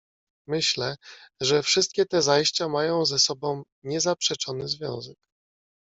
"Myślę, że wszystkie te zajścia mają ze sobą niezaprzeczony związek."